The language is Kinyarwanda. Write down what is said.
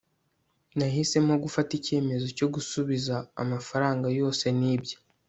nahisemo gufata icyemezo cyo gusubiza amafaranga yose nibye